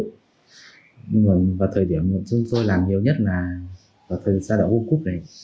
nhưng mà vào thời điểm chúng tôi làm nhiều nhất là vào thời gian gia đạo world cup này